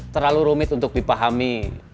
terlalu rumit untuk dipahami